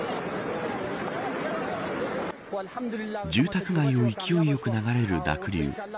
住宅街を勢いよく流れる濁流。